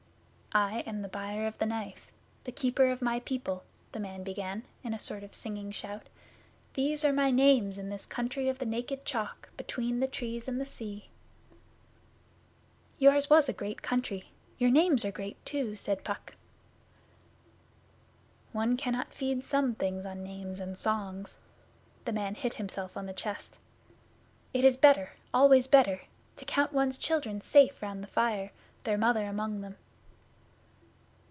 I am the Buyer of the Knife the Keeper of the People,' the man began, in a sort of singing shout. 'These are my names in this country of the Naked Chalk, between the Trees and the Sea.' 'Yours was a great country. Your names are great too,' said Puck. 'One cannot feed some things on names and songs.' The man hit himself on the chest. 'It is better always better to count one's children safe round the fire, their Mother among them.